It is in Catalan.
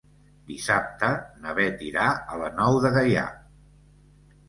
Dissabte na Bet irà a la Nou de Gaià.